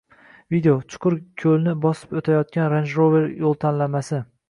Video: chuqur ko‘lni bosib o‘tayotgan Range Rover yo‘ltanlamasi